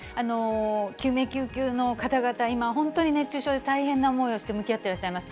救命救急の方々、今、本当に熱中症で大変な思いをして、向き合ってらっしゃいます。